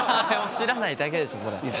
知らないだけでしょそれ。